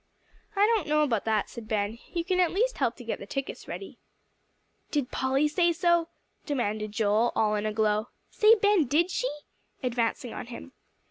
"I don't know about that," said Ben, "you can at least help to get the tickets ready." "Did Polly say so?" demanded Joel, all in a glow. "Say, Ben, did she?" advancing on him.